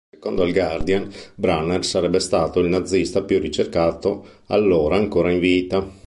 Secondo il "Guardian" Brunner sarebbe stato il nazista più ricercato allora ancora in vita.